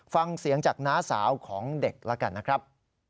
ฟังเสียงจากน้าสาวของเด็กแล้วกันนะครับ